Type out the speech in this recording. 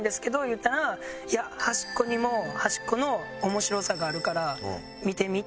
言うたら「いや端っこにも端っこの面白さがあるから見てみ」って。